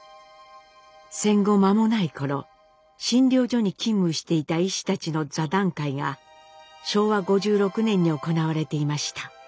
戦後間もない頃診療所に勤務していた医師たちの座談会が昭和５６年に行われていました。